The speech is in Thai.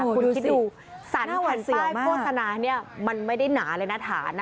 คุณคิดดูสรรแผ่นป้ายโฆษณาเนี่ยมันไม่ได้หนาเลยนะฐานนะ